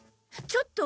ちょっと。